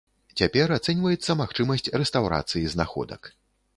Цяпер ацэньваецца магчымасць рэстаўрацыі знаходак.